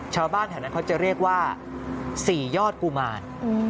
ชาวบ้านแถวนั้นเขาจะเรียกว่า๔ยอดกุมาร